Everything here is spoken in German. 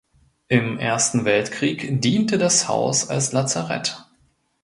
Im Ersten Weltkrieg diente das Haus als Lazarett.